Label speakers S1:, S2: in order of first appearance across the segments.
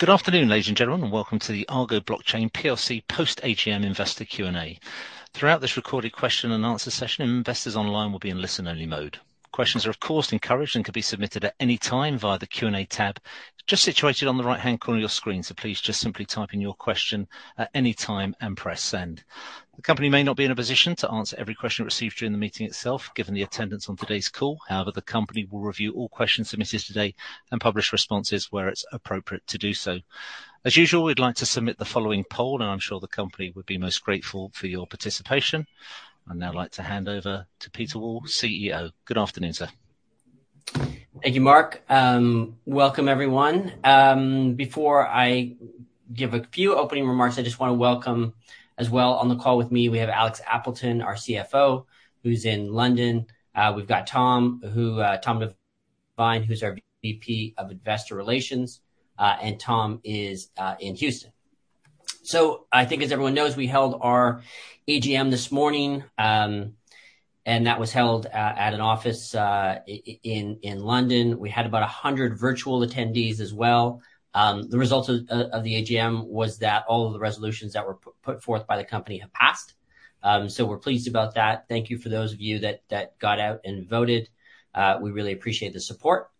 S1: Good afternoon, ladies and gentlemen, and welcome to the Argo Blockchain plc post AGM investor Q&A. Throughout this recorded question and answer session, investors online will be in listen-only mode. Questions are, of course, encouraged and can be submitted at any time via the Q&A tab just situated on the right-hand corner of your screen. Please just simply type in your question at any time and press send. The company may not be in a position to answer every question received during the meeting itself, given the attendance on today's call. However, the company will review all questions submitted today and publish responses where it's appropriate to do so. As usual, we'd like to submit the following poll, and I'm sure the company would be most grateful for your participation. I'd now like to hand over to Peter Wall, CEO. Good afternoon, sir.
S2: Thank you, Mark. Welcome everyone. Before I give a few opening remarks, I just wanna welcome as well on the call with me, we have Alex Appleton, our CFO, who's in London. We've got Tom Divine, who's our VP of Investor Relations, and Tom is in Houston. I think as everyone knows, we held our AGM this morning, and that was held at an office in London. We had about 100 virtual attendees as well. The results of the AGM was that all of the resolutions that were put forth by the company have passed. We're pleased about that. Thank you for those of you that got out and voted, we really appreciate the support.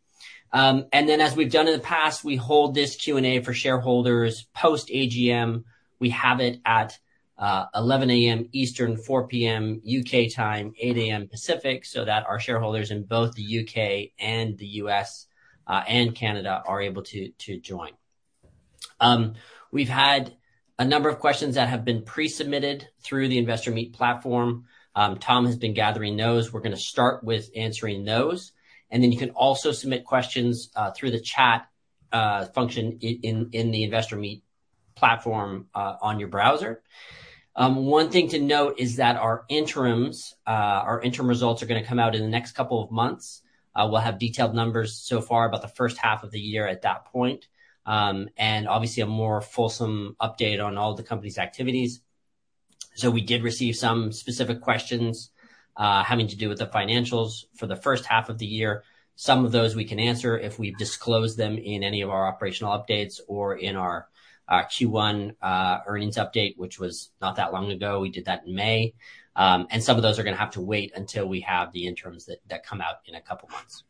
S2: As we've done in the past, we hold this Q&A for shareholders post AGM. We have it at 11 A.M. Eastern, 4 P.M. U.K. time, 8 A.M. Pacific, so that our shareholders in both the U.K. and the U.S. and Canada are able to to join. We've had a number of questions that have been pre-submitted through the Investor Meet platform. Tom has been gathering those. We're gonna start with answering those, and then you can also submit questions through the chat function in the Investor Meet platform on your browser. One thing to note is that our interims our interim results are gonna come out in the next couple of months. We'll have detailed numbers so far about the first half of the year at that point. Obviously a more fulsome update on all the company's activities. We did receive some specific questions having to do with the financials for the first half of the year. Some of those we can answer if we've disclosed them in any of our operational updates or in our Q1 earnings update, which was not that long ago. We did that in May. Some of those are gonna have to wait until we have the interims that come out in a couple of months.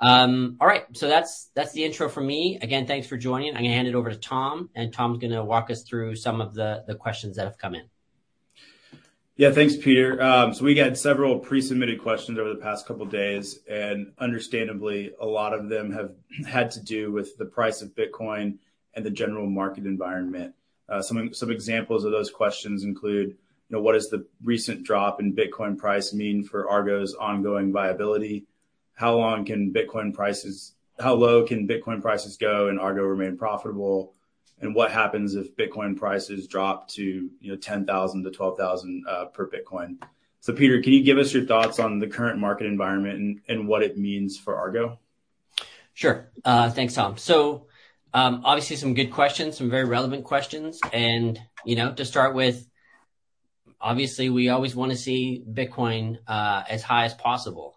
S2: All right. That's the intro from me. Again, thanks for joining. I'm gonna hand it over to Tom, and Tom's gonna walk us through some of the questions that have come in.
S3: Yeah. Thanks, Peter. We got several pre-submitted questions over the past couple of days, and understandably, a lot of them have had to do with the price of Bitcoin and the general market environment. Some examples of those questions include, you know: What does the recent drop in Bitcoin price mean for Argo's ongoing viability? How low can Bitcoin prices go and Argo remain profitable? And what happens if Bitcoin prices drop to, you know, 10,000-12,000 per Bitcoin? Peter, can you give us your thoughts on the current market environment and what it means for Argo?
S2: Sure. Thanks, Tom. Obviously some good questions, some very relevant questions. You know, to start with, obviously, we always wanna see Bitcoin as high as possible.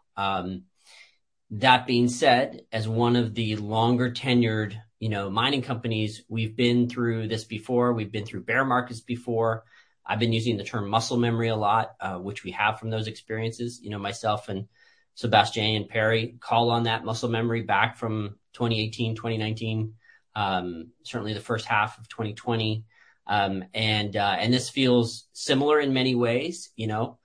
S2: That being said, as one of the longer tenured, you know, mining companies, we've been through this before. We've been through bear markets before. I've been using the term muscle memory a lot, which we have from those experiences. You know, myself and Sebastian and Perry call on that muscle memory back from 2018, 2019, certainly the first half of 2020. This feels similar in many ways, you know.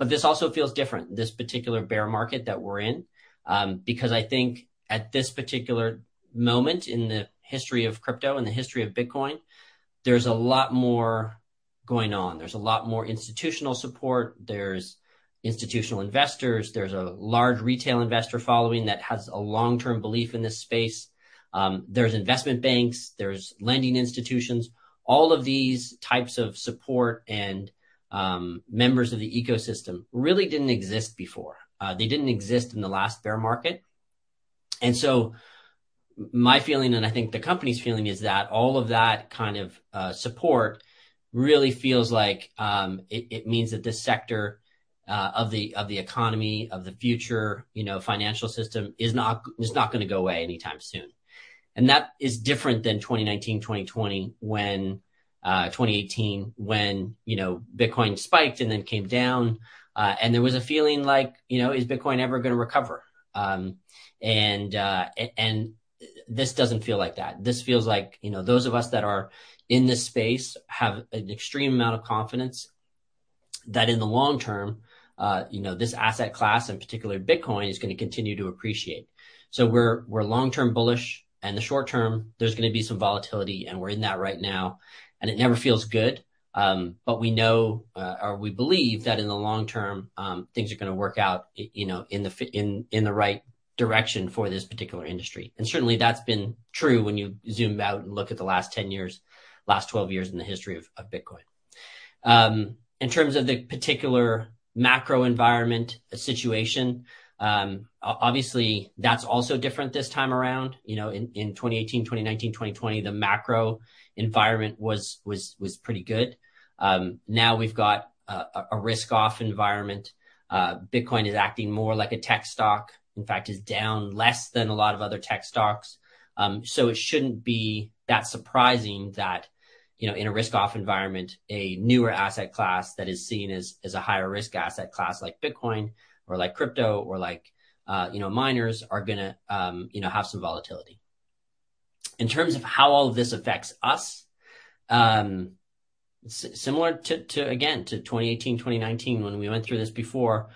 S2: This also feels different, this particular bear market that we're in, because I think at this particular moment in the history of crypto and the history of Bitcoin, there's a lot more going on. There's a lot more institutional support. There's institutional investors. There's a large retail investor following that has a long-term belief in this space. There's investment banks, there's lending institutions. All of these types of support and, members of the ecosystem really didn't exist before. They didn't exist in the last bear market. My feeling, and I think the company's feeling, is that all of that kind of, support really feels like, it means that this sector, of the economy, of the future, you know, financial system is not gonna go away anytime soon. That is different than 2019, 2020 when, 2018 when, you know, Bitcoin spiked and then came down. There was a feeling like, you know, is Bitcoin ever gonna recover? This doesn't feel like that. This feels like, you know, those of us that are in this space have an extreme amount of confidence that in the long term, you know, this asset class, in particular Bitcoin, is gonna continue to appreciate. We're long-term bullish, and the short term, there's gonna be some volatility, and we're in that right now, and it never feels good. But we know or we believe that in the long term, things are gonna work out you know, in the right direction for this particular industry. Certainly that's been true when you zoom out and look at the last 10 years, last 12 years in the history of Bitcoin. In terms of the particular macro environment situation, obviously, that's also different this time around. You know, in 2018, 2019, 2020, the macro environment was pretty good. Now we've got a risk-off environment. Bitcoin is acting more like a tech stock. In fact, it's down less than a lot of other tech stocks. So it shouldn't be that surprising that, you know, in a risk-off environment, a newer asset class that is seen as a higher risk asset class like Bitcoin or like crypto or like miners are gonna have some volatility. In terms of how all of this affects us, similar to again to 2018, 2019 when we went through this before,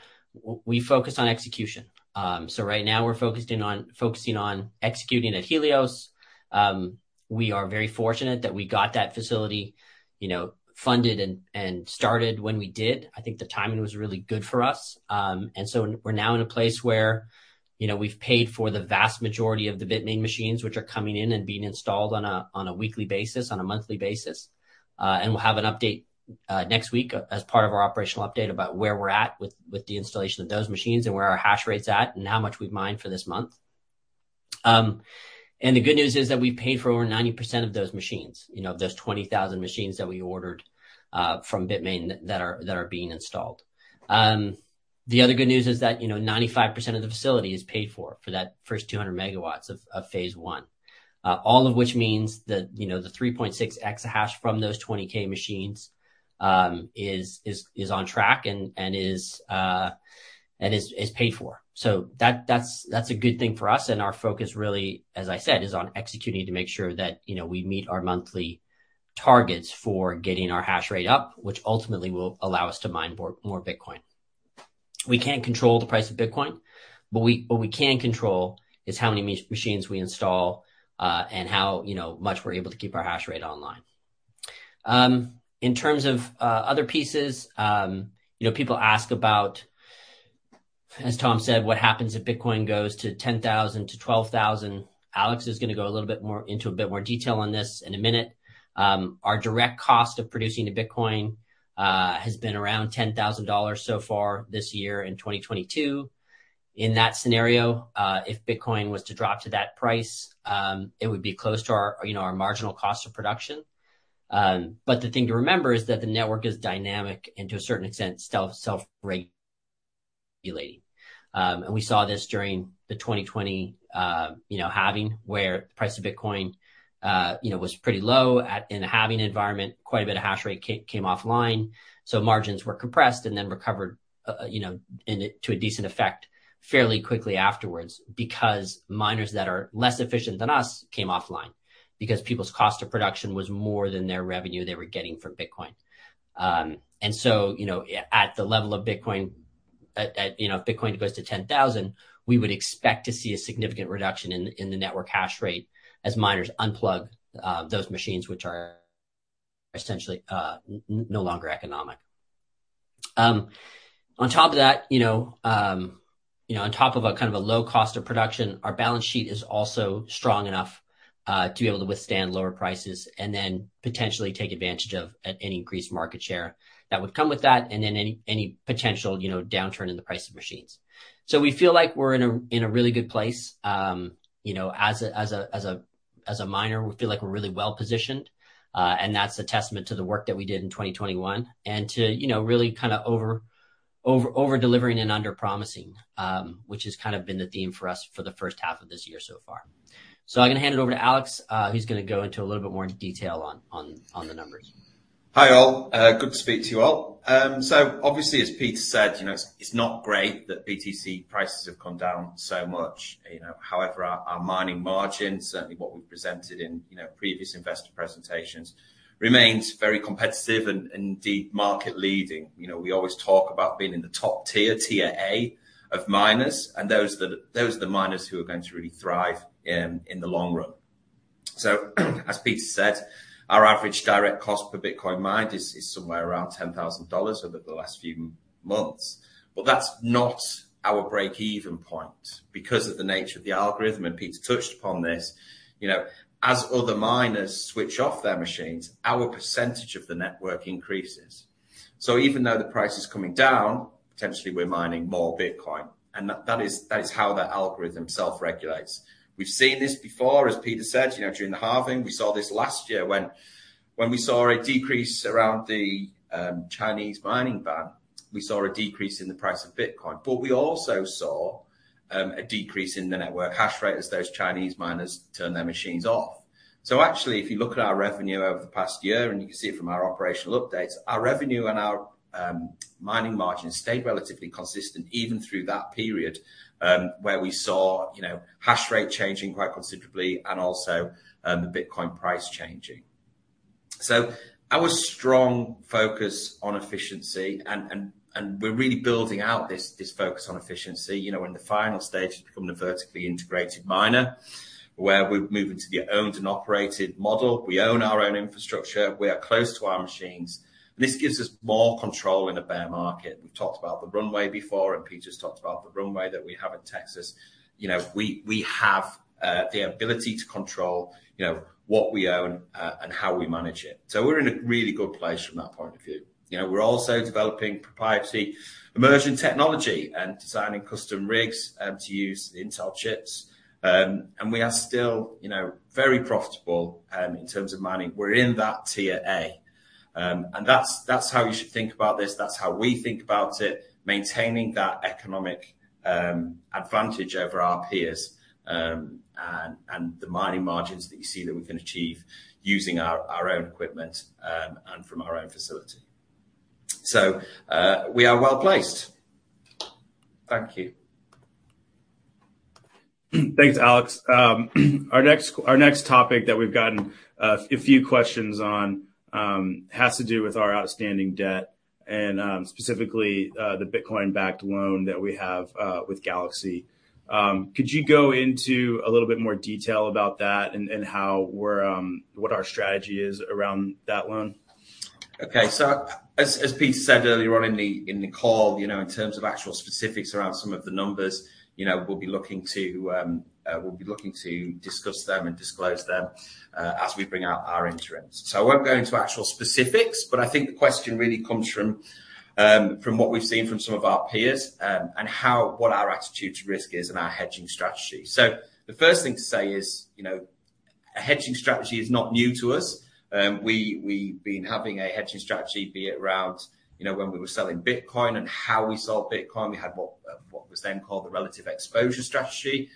S2: we focused on execution. Right now we're focusing on executing at Helios. We are very fortunate that we got that facility, you know, funded and started when we did. I think the timing was really good for us. We're now in a place where, you know, we've paid for the vast majority of the Bitmain machines which are coming in and being installed on a weekly basis, on a monthly basis. We'll have an update next week as part of our operational update about where we're at with the installation of those machines and where our hash rate's at and how much we've mined for this month. The good news is that we've paid for over 90% of those machines, you know, those 20,000 machines that we ordered from Bitmain that are being installed. The other good news is that, you know, 95% of the facility is paid for that first 200 MW of phase one. All of which means that, you know, the 3.6 exahash from those 20K machines is on track and is paid for. That's a good thing for us, and our focus really, as I said, is on executing to make sure that, you know, we meet our monthly targets for getting our hash rate up, which ultimately will allow us to mine more Bitcoin. We can't control the price of Bitcoin, but we can control is how many machines we install, and how, you know, much we're able to keep our hash rate online. In terms of other pieces, you know, people ask about, as Tom said, what happens if Bitcoin goes to $10,000-$12,000. Alex is gonna go a little bit more into a bit more detail on this in a minute. Our direct cost of producing a Bitcoin has been around $10,000 so far this year in 2022. In that scenario, if Bitcoin was to drop to that price, it would be close to our, you know, our marginal cost of production. But the thing to remember is that the network is dynamic and to a certain extent, self-regulating. We saw this during the 2020 halving, where the price of Bitcoin, you know, was pretty low at in a halving environment, quite a bit of hash rate came offline. Margins were compressed and then recovered, you know, to a decent effect fairly quickly afterwards because miners that are less efficient than us came offline because people's cost of production was more than their revenue they were getting from Bitcoin. You know, at the level of Bitcoin, you know, if Bitcoin goes to $10,000, we would expect to see a significant reduction in the network hash rate as miners unplug those machines which are essentially no longer economic. On top of that, you know, on top of a kind of a low cost of production, our balance sheet is also strong enough to be able to withstand lower prices and then potentially take advantage of any increased market share that would come with that and then any potential, you know, downturn in the price of machines. We feel like we're in a really good place. You know, as a miner, we feel like we're really well-positioned, and that's a testament to the work that we did in 2021 and to, you know, really kinda over-delivering and under-promising, which has kind of been the theme for us for the first half of this year so far. I'm gonna hand it over to Alex, who's gonna go into a little bit more detail on the numbers.
S4: Hi all. Good to speak to you all. Obviously as Peter said, you know, it's not great that BTC prices have come down so much. You know, however, our mining margins, certainly what we presented in, you know, previous investor presentations remains very competitive and deep market leading. You know, we always talk about being in the top tier A of miners and those are the miners who are going to really thrive in the long run. As Peter said, our average direct cost per Bitcoin mined is somewhere around $10,000 over the last few months. That's not our break-even point because of the nature of the algorithm, and Peter touched upon this. You know, as other miners switch off their machines, our percentage of the network increases. Even though the price is coming down, potentially we're mining more Bitcoin, and that is how that algorithm self-regulates. We've seen this before, as Peter said. You know, during the halving, we saw this last year when we saw a decrease around the Chinese mining ban, we saw a decrease in the price of Bitcoin. We also saw a decrease in the network hash rate as those Chinese miners turned their machines off. Actually, if you look at our revenue over the past year, and you can see it from our operational updates, our revenue and our mining margins stayed relatively consistent even through that period, where we saw, you know, hash rate changing quite considerably and also the Bitcoin price changing. Our strong focus on efficiency and we're really building out this focus on efficiency. You know, we're in the final stages of becoming a vertically integrated miner, where we're moving to the owned and operated model. We own our own infrastructure. We are close to our machines. This gives us more control in a bear market. We've talked about the runway before, and Peter's talked about the runway that we have in Texas. You know, we have the ability to control, you know, what we own and how we manage it. We're in a really good place from that point of view. You know, we're also developing proprietary immersion technology and designing custom rigs to use the Intel chips. And we are still, you know, very profitable in terms of mining. We're in that tier A. That's how you should think about this. That's how we think about it, maintaining that economic advantage over our peers, and the mining margins that you see that we can achieve using our own equipment, and from our own facility. We are well-placed. Thank you.
S3: Thanks, Alex. Our next topic that we've gotten a few questions on has to do with our outstanding debt and, specifically, the Bitcoin-backed loan that we have with Galaxy. Could you go into a little bit more detail about that and what our strategy is around that loan?
S4: As Peter said earlier on in the call, you know, in terms of actual specifics around some of the numbers, you know, we'll be looking to discuss them and disclose them as we bring out our interims. I won't go into actual specifics, but I think the question really comes from what we've seen from some of our peers and what our attitude to risk is and our hedging strategy. The first thing to say is, you know, a hedging strategy is not new to us. We've been having a hedging strategy, be it around, you know, when we were selling Bitcoin and how we sold Bitcoin. We had what was then called the relative exposure strategy.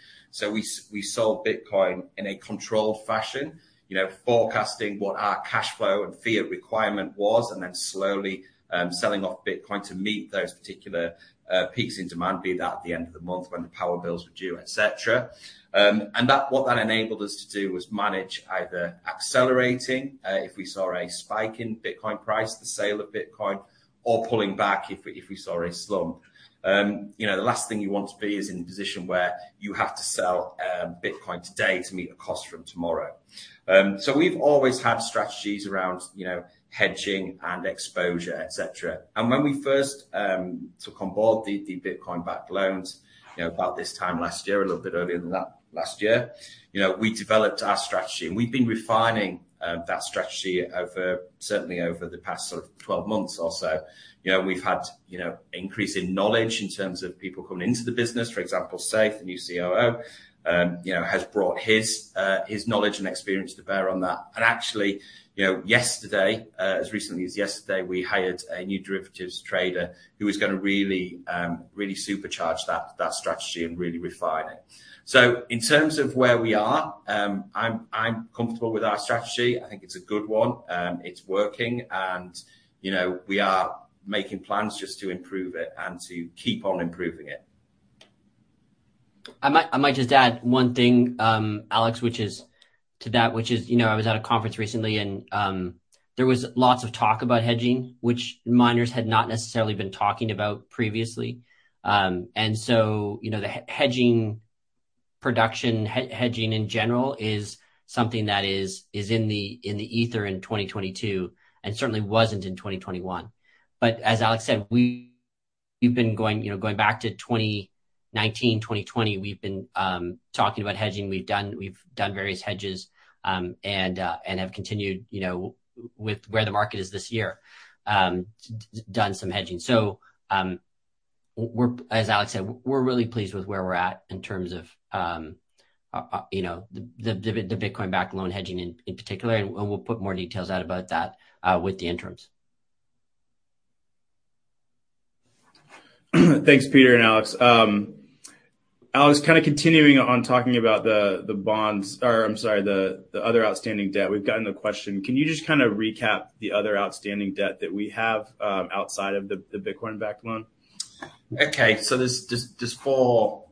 S4: We sold Bitcoin in a controlled fashion, you know, forecasting what our cash flow and fiat requirement was, and then slowly selling off Bitcoin to meet those particular peaks in demand, be that at the end of the month when the power bills were due, et cetera. What that enabled us to do was manage either accelerating, if we saw a spike in Bitcoin price, the sale of Bitcoin, or pulling back if we saw a slump. You know, the last thing you want to be is in a position where you have to sell Bitcoin today to meet a cost from tomorrow. We've always had strategies around, you know, hedging and exposure, et cetera. When we first took on board the Bitcoin-backed loans, you know, about this time last year, a little bit earlier than that last year, you know, we developed our strategy. We've been refining that strategy over certainly over the past sort of 12 months or so. You know, we've had, you know, increase in knowledge in terms of people coming into the business. For example, Seif, the new COO, you know, has brought his his knowledge and experience to bear on that. Actually, you know, yesterday, as recently as yesterday, we hired a new derivatives trader who is gonna really supercharge that strategy and really refine it. In terms of where we are, I'm comfortable with our strategy. I think it's a good one. It's working and, you know, we are making plans just to improve it and to keep on improving it.
S2: I might just add one thing, Alex, which is to that, which is, you know, I was at a conference recently and there was lots of talk about hedging, which miners had not necessarily been talking about previously. You know, the hedging production, hedging in general is something that is in the ether in 2022, and certainly wasn't in 2021. As Alex said, we've been going back to 2019, 2020, we've been talking about hedging. We've done various hedges and have continued, you know, with where the market is this year, done some hedging. As Alex said, we're really pleased with where we're at in terms of, you know, the Bitcoin-backed loan hedging in particular, and we'll put more details out about that with the interims.
S3: Thanks, Peter and Alex. Alex, kind of continuing on talking about the other outstanding debt. We've gotten a question. Can you just kind of recap the other outstanding debt that we have, outside of the Bitcoin-backed loan?
S4: Okay. There are four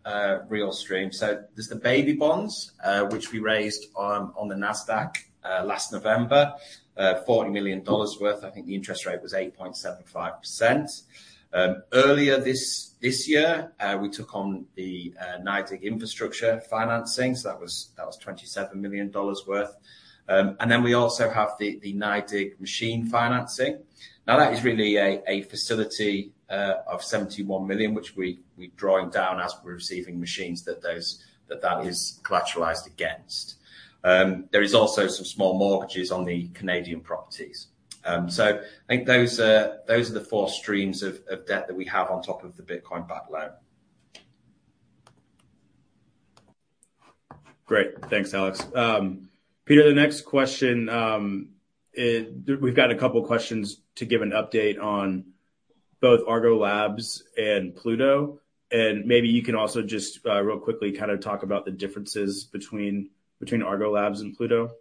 S4: real streams. There are the Baby Bonds, which we raised on the Nasdaq last November. $40 million worth. I think the interest rate was 8.75%. Earlier this year, we took on the NYDIG infrastructure financing, so that was $27 million worth. Then we also have the NYDIG machine financing. Now that is really a facility of $71 million, which we're drawing down as we're receiving machines that is collateralized against. There is also some small mortgages on the Canadian properties. I think those are the four streams of debt that we have on top of the Bitcoin-backed loan.
S3: Great. Thanks, Alex. Peter, the next question is we've got a couple of questions to give an update on both Argo Labs and Pluto. Maybe you can also just real quickly kind of talk about the differences between Argo Labs and Pluto.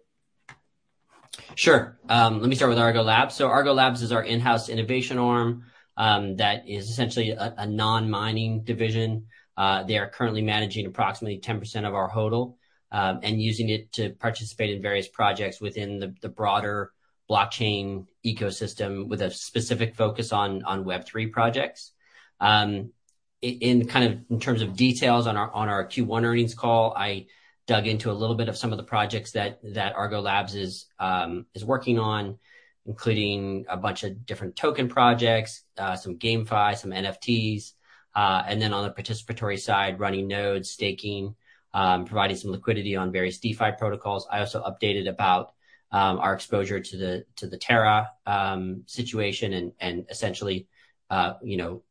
S2: Sure. Let me start with Argo Labs. Argo Labs is our in-house innovation arm, that is essentially a non-mining division. They are currently managing approximately 10% of our HODL, and using it to participate in various projects within the broader blockchain ecosystem with a specific focus on Web3 projects. In terms of details on our Q1 earnings call, I dug into a little bit of some of the projects that Argo Labs is working on, including a bunch of different token projects, some GameFi, some NFTs. On the participatory side, running nodes, staking, providing some liquidity on various DeFi protocols. I also updated about our exposure to the Terra situation and essentially you know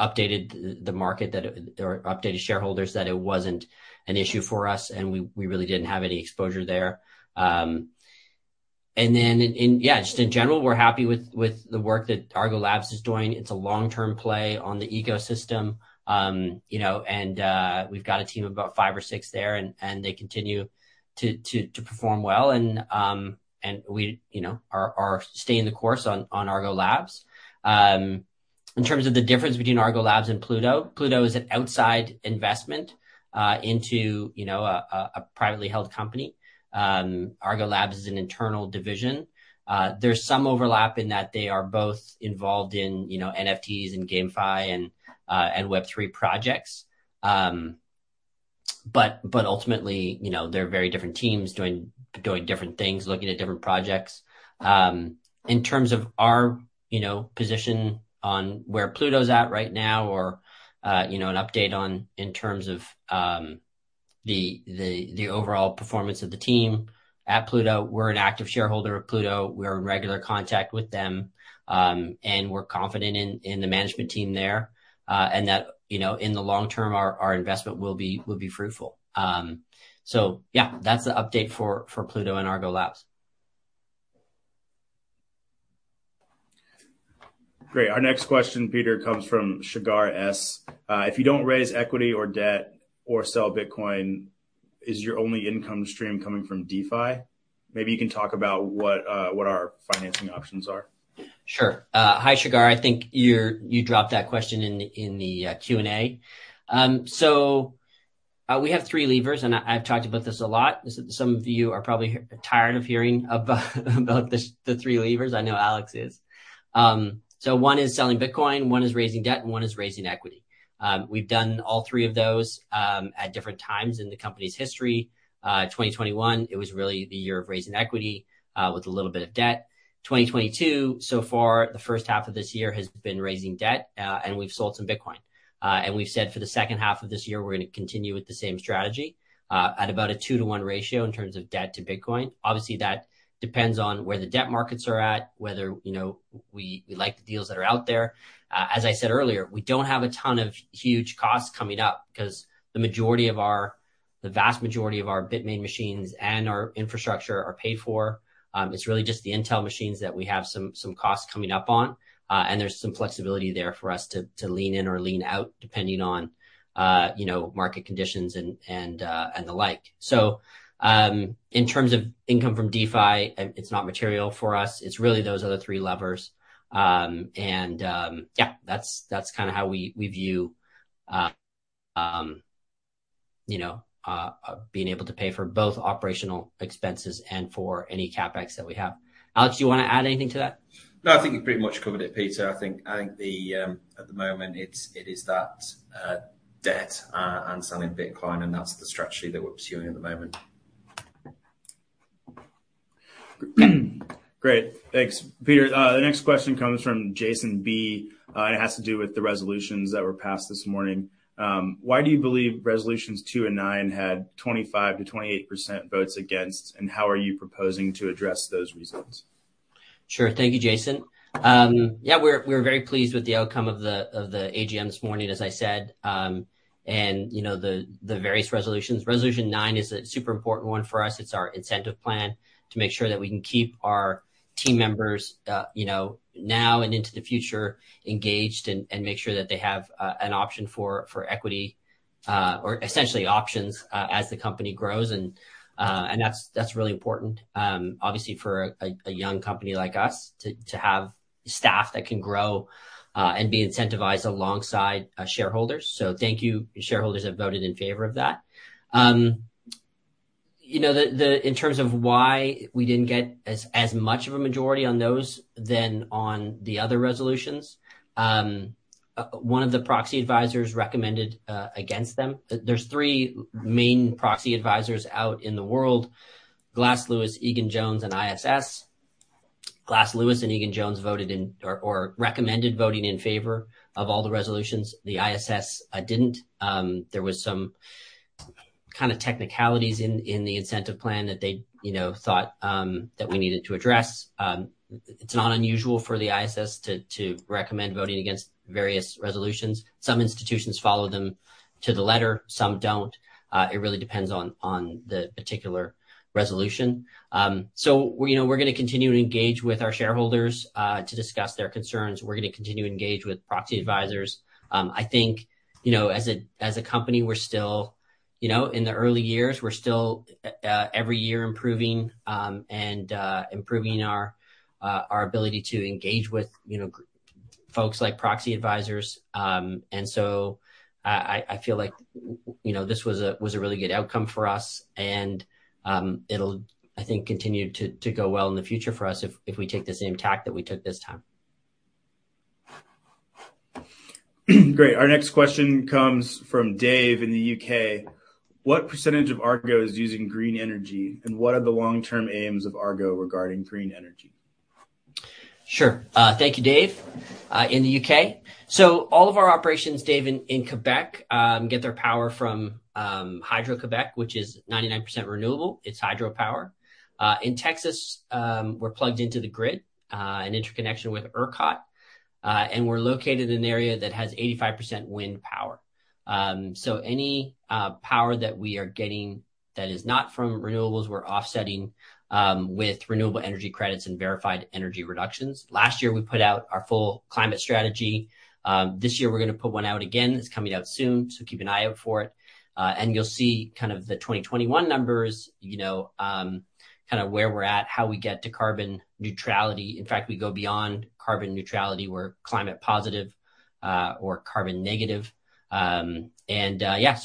S2: updated the market that or updated shareholders that it wasn't an issue for us and we really didn't have any exposure there. Just in general, we're happy with the work that Argo Labs is doing. It's a long-term play on the ecosystem. You know, we've got a team of about 5 or 6 there and they continue to perform well. We you know are staying the course on Argo Labs. In terms of the difference between Argo Labs and Pluto. Pluto is an outside investment into you know a privately held company. Argo Labs is an internal division. There's some overlap in that they are both involved in, you know, NFTs and GameFi and Web3 projects. Ultimately, you know, they're very different teams doing different things, looking at different projects. In terms of our position on where Pluto's at right now or an update in terms of the overall performance of the team at Pluto, we're an active shareholder of Pluto. We're in regular contact with them, and we're confident in the management team there, and that, you know, in the long term, our investment will be fruitful. Yeah, that's the update for Pluto and Argo Labs.
S3: Great. Our next question, Peter, comes from Shagar S.. If you don't raise equity or debt or sell Bitcoin, is your only income stream coming from DeFi? Maybe you can talk about what our financing options are.
S2: Sure. Hi, Shagar. I think you dropped that question in the Q&A. We have three levers, and I've talked about this a lot. Some of you are probably tired of hearing about this, the three levers. I know Alex is. One is selling Bitcoin, one is raising debt, and one is raising equity. We've done all three of those at different times in the company's history. 2021, it was really the year of raising equity with a little bit of debt. 2022, so far, the first half of this year has been raising debt, and we've sold some Bitcoin. We've said for the second half of this year, we're gonna continue with the same strategy at about a two-to-one ratio in terms of debt to Bitcoin. Obviously, that depends on where the debt markets are at, whether, you know, we like the deals that are out there. As I said earlier, we don't have a ton of huge costs coming up 'cause the vast majority of our Bitmain machines and our infrastructure are paid for. It's really just the Intel machines that we have some costs coming up on. There's some flexibility there for us to lean in or lean out, depending on, you know, market conditions and the like. In terms of income from DeFi, it's not material for us. It's really those other three levers. That's kinda how we view, you know, being able to pay for both operational expenses and for any CapEx that we have. Alex, you wanna add anything to that?
S4: No, I think you pretty much covered it, Peter. I think at the moment it is that debt and selling Bitcoin, and that's the strategy that we're pursuing at the moment.
S3: Great. Thanks. Peter, the next question comes from Jason B. It has to do with the resolutions that were passed this morning. Why do you believe resolutions two and nine had 25%-28% votes against, and how are you proposing to address those results?
S2: Sure. Thank you, Jason. Yeah, we're very pleased with the outcome of the AGM this morning, as I said. You know, the various resolutions. Resolution nine is a super important one for us. It's our incentive plan to make sure that we can keep our team members, you know, now and into the future, engaged and make sure that they have an option for equity or essentially options as the company grows. And that's really important, obviously for a young company like us to have staff that can grow and be incentivized alongside shareholders. Thank you shareholders that voted in favor of that. You know, in terms of why we didn't get as much of a majority on those than on the other resolutions, one of the proxy advisors recommended against them. There's three main proxy advisors out in the world: Glass Lewis, Egan-Jones, and ISS. Glass Lewis and Egan-Jones voted in or recommended voting in favor of all the resolutions. The ISS didn't. There was some kinda technicalities in the incentive plan that they, you know, thought that we needed to address. It's not unusual for the ISS to recommend voting against various resolutions. Some institutions follow them to the letter, some don't. It really depends on the particular resolution. You know, we're gonna continue to engage with our shareholders to discuss their concerns. We're gonna continue to engage with proxy advisors. I think, you know, as a company, we're still, you know, in the early years. We're still every year improving our ability to engage with, you know, folks like proxy advisors. I feel like, you know, this was a really good outcome for us. It'll, I think, continue to go well in the future for us if we take the same tack that we took this time.
S3: Great. Our next question comes from Dave in the U.K. What percentage of Argo is using green energy, and what are the long-term aims of Argo regarding green energy?
S2: Sure. Thank you, Dave, in the UK. All of our operations, Dave, in Quebec, get their power from Hydro-Québec, which is 99% renewable. It's hydropower. In Texas, we're plugged into the grid, an interconnection with ERCOT. We're located in an area that has 85% wind power. Any power that we are getting that is not from renewables, we're offsetting with renewable energy credits and verified energy reductions. Last year, we put out our full climate strategy. This year we're gonna put one out again. It's coming out soon, so keep an eye out for it. You'll see kind of the 2021 numbers, you know, kinda where we're at, how we get to carbon neutrality. In fact, we go beyond carbon neutrality. We're climate positive, or carbon negative.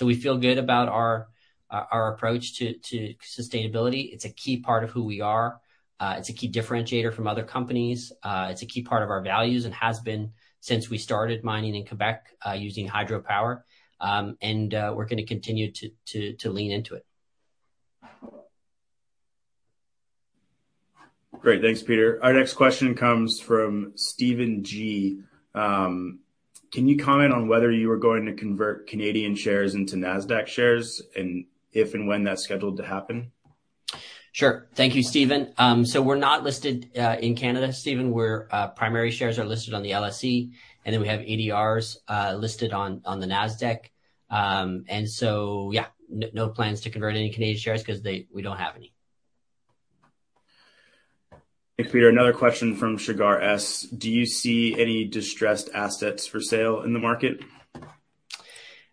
S2: We feel good about our approach to sustainability. It's a key part of who we are. It's a key differentiator from other companies. It's a key part of our values and has been since we started mining in Quebec, using hydropower. We're gonna continue to lean into it.
S3: Great. Thanks, Peter. Our next question comes from Steven G. Can you comment on whether you are going to convert Canadian shares into Nasdaq shares, and if and when that's scheduled to happen?
S2: Sure. Thank you, Steven G. We're not listed in Canada, Steven G. Our primary shares are listed on the LSE, and then we have ADRs listed on the Nasdaq. Yeah, no plans to convert any Canadian shares 'cause we don't have any.
S3: Thanks, Peter. Another question from Shagar S.. Do you see any distressed assets for sale in the market?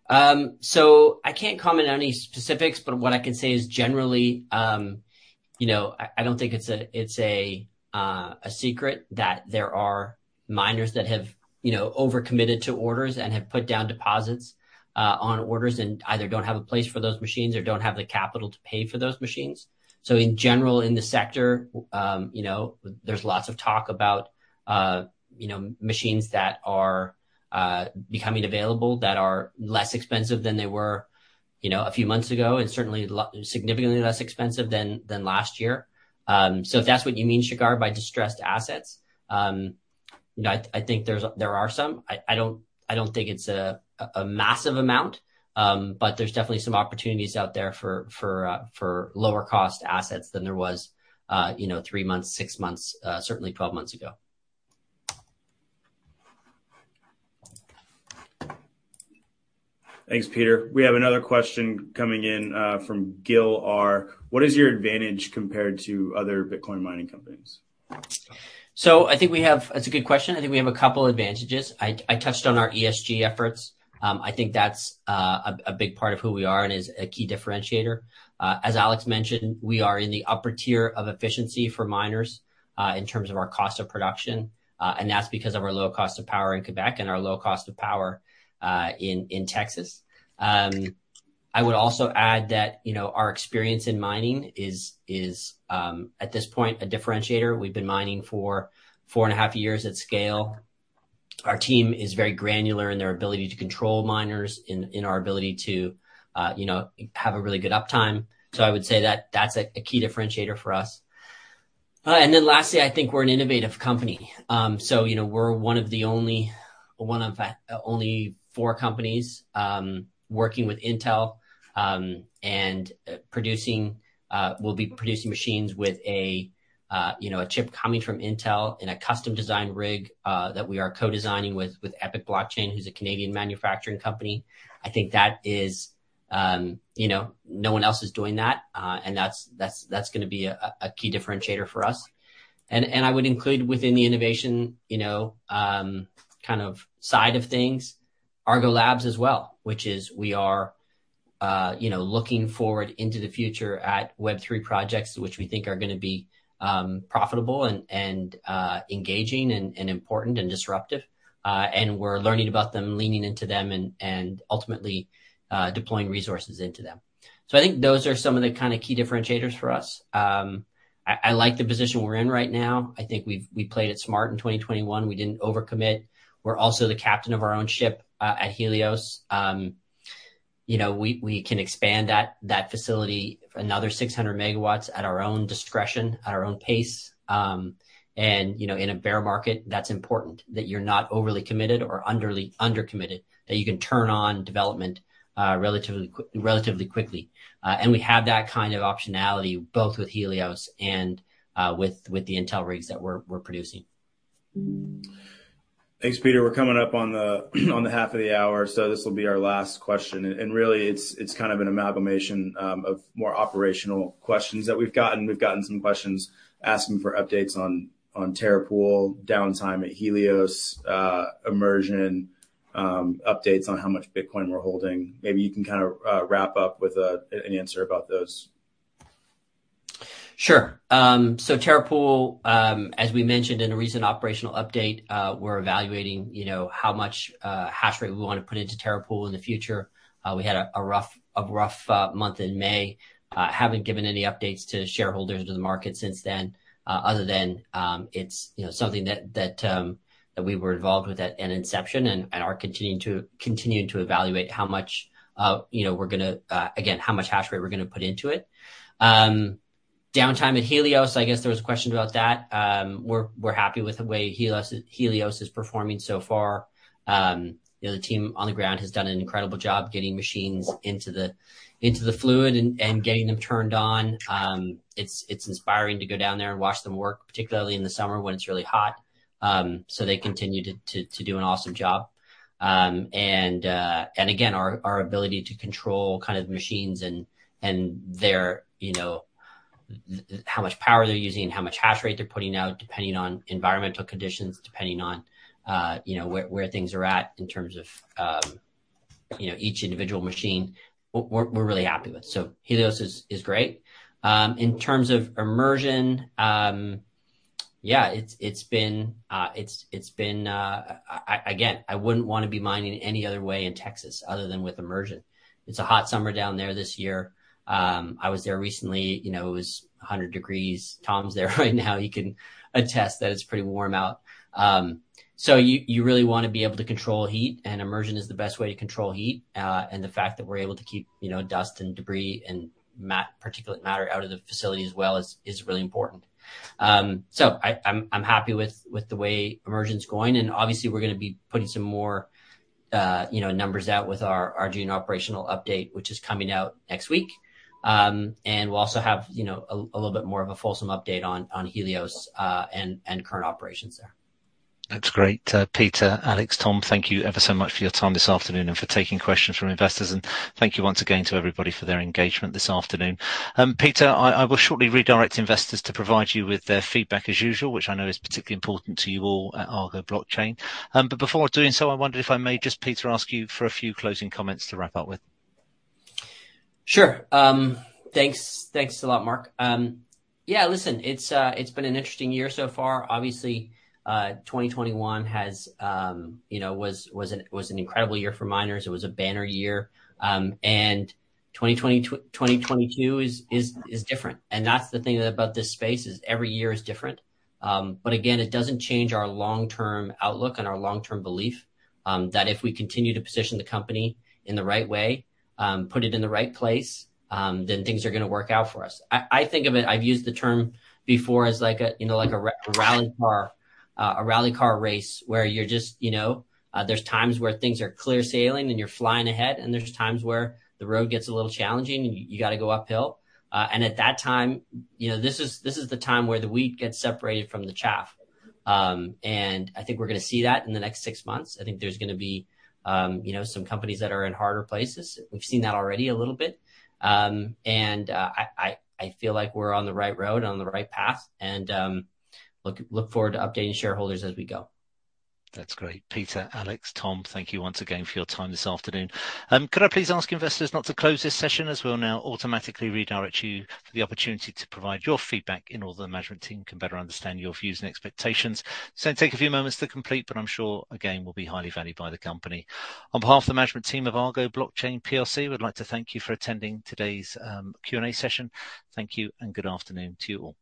S2: I can't comment on any specifics, but what I can say is generally, you know, I don't think it's a secret that there are miners that have, you know, over-committed to orders and have put down deposits on orders and either don't have a place for those machines or don't have the capital to pay for those machines. In general, in the sector, you know, there's lots of talk about, you know, machines that are becoming available that are less expensive than they were, you know, a few months ago, and certainly significantly less expensive than last year. If that's what you mean, Shigar, by distressed assets, you know, I think there are some. I don't think it's a massive amount, but there's definitely some opportunities out there for lower cost assets than there was, you know, three months, six months, certainly twelve months ago.
S3: Thanks, Peter. We have another question coming in, from Gil R. What is your advantage compared to other Bitcoin mining companies?
S2: That's a good question. I think we have a couple advantages. I touched on our ESG efforts. I think that's a big part of who we are and is a key differentiator. As Alex mentioned, we are in the upper tier of efficiency for miners in terms of our cost of production, and that's because of our low cost of power in Quebec and our low cost of power in Texas. I would also add that, you know, our experience in mining is at this point a differentiator. We've been mining for four and a half years at scale. Our team is very granular in their ability to control miners, in our ability to, you know, have a really good uptime. I would say that that's a key differentiator for us. Lastly, I think we're an innovative company. You know, we're one of the only four companies working with Intel and producing. We'll be producing machines with you know, a chip coming from Intel in a custom designed rig that we are co-designing with ePIC Blockchain Technologies, who's a Canadian manufacturing company. I think that is you know, no one else is doing that and that's gonna be a key differentiator for us. I would include within the innovation, you know, kind of side of things, Argo Labs as well, which is we are, you know, looking forward into the future at Web3 projects, which we think are gonna be profitable and engaging and important and disruptive. We're learning about them, leaning into them, and ultimately deploying resources into them. I think those are some of the kind of key differentiators for us. I like the position we're in right now. I think we've played it smart in 2021. We didn't over-commit. We're also the captain of our own ship at Helios. You know, we can expand that facility another 600 MW at our own discretion, at our own pace. You know, in a bear market, that's important, that you're not overly committed or under-committed, that you can turn on development relatively quickly. We have that kind of optionality both with Helios and with the Intel rigs that we're producing.
S3: Thanks, Peter. We're coming up on the half of the hour, so this will be our last question. Really it's kind of an amalgamation of more operational questions that we've gotten. We've gotten some questions asking for updates on Terra Pool, downtime at Helios, immersion, updates on how much Bitcoin we're holding. Maybe you can kinda wrap up with an answer about those.
S2: Sure. Terra Pool, as we mentioned in a recent operational update, we're evaluating, you know, how much hash rate we wanna put into Terra Pool in the future. We had a rough month in May. Haven't given any updates to shareholders or to the market since then, other than, it's, you know, something that we were involved with at inception and are continuing to evaluate how much, you know, we're gonna, again, how much hash rate we're gonna put into it. Downtime at Helios, I guess there was a question about that. We're happy with the way Helios is performing so far. You know, the team on the ground has done an incredible job getting machines into the fluid and getting them turned on. It's inspiring to go down there and watch them work, particularly in the summer when it's really hot. They continue to do an awesome job. Again, our ability to control kind of the machines and their, you know, how much power they're using and how much hash rate they're putting out, depending on environmental conditions, depending on you know, where things are at in terms of, you know, each individual machine, we're really happy with. Helios is great. In terms of immersion, again, I wouldn't wanna be mining any other way in Texas other than with immersion. It's a hot summer down there this year. I was there recently, you know, it was 100 degrees. Tom is there right now, he can attest that it's pretty warm out. You really wanna be able to control heat, and immersion is the best way to control heat. The fact that we're able to keep, you know, dust and debris and particulate matter out of the facility as well is really important. I'm happy with the way immersion's going. Obviously, we're gonna be putting some more, you know, numbers out with our June operational update, which is coming out next week. We'll also have, you know, a little bit more of a fulsome update on Helios and current operations there.
S1: That's great. Peter, Alex, Tom, thank you ever so much for your time this afternoon and for taking questions from investors. Thank you once again to everybody for their engagement this afternoon. Peter, I will shortly redirect investors to provide you with their feedback as usual, which I know is particularly important to you all at Argo Blockchain. Before doing so, I wonder if I may just, Peter, ask you for a few closing comments to wrap up with.
S2: Sure. Thanks a lot, Mark. Yeah. Listen, it's been an interesting year so far. Obviously, 2021 was an incredible year for miners. It was a banner year. 2022 is different. That's the thing about this space, is every year is different. Again, it doesn't change our long-term outlook and our long-term belief that if we continue to position the company in the right way, put it in the right place, then things are gonna work out for us. I think of it. I've used the term before as like, you know, like a rally car. A rally car race where you're just, you know. There's times where things are clear sailing and you're flying ahead, and there's times where the road gets a little challenging and you gotta go uphill. At that time, you know, this is the time where the wheat gets separated from the chaff. I think we're gonna see that in the next six months. I think there's gonna be, you know, some companies that are in harder places. We've seen that already a little bit. I feel like we're on the right road, on the right path and look forward to updating shareholders as we go.
S1: That's great. Peter, Alex, Tom, thank you once again for your time this afternoon. Could I please ask investors not to close this session as we'll now automatically redirect you for the opportunity to provide your feedback in order the management team can better understand your views and expectations. Take a few moments to complete, but I'm sure again, will be highly valued by the company. On behalf of the management team of Argo Blockchain PLC, we'd like to thank you for attending today's Q&A session. Thank you and good afternoon to you all.